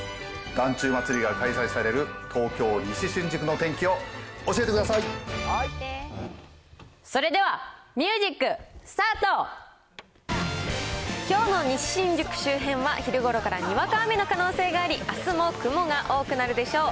ダンチュウ祭が開催される、東京・西新宿の天気を教えてくだそれではミュージックスターきょうの西新宿周辺は、昼ごろからにわか雨の可能性があり、あすは雲が多くなるでしょう。